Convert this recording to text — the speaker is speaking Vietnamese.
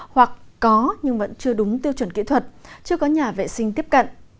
hoặc có nhưng vẫn chưa đúng tiêu chuẩn kỹ thuật chưa có nhà vệ sinh tiếp cận